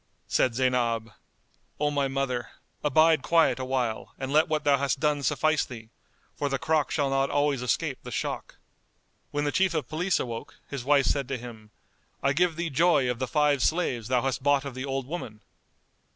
Said Zaynab, "O my mother, abide quiet awhile and let what thou hast done suffice thee, for the crock shall not always escape the shock." When the Chief of Police awoke, his wife said to him, "I give thee joy of the five slaves thou hast bought of the old woman."